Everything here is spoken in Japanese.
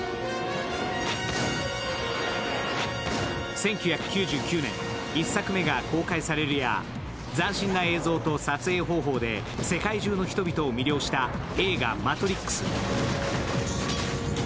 １９９９年、１作目が公開されるや斬新な映像と撮影方法で世界中の人を魅了した映画「マトリックス」。